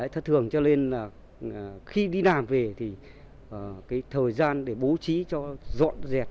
thất thường cho nên là khi đi nàm về thì cái thời gian để bố trí cho dọn dẹp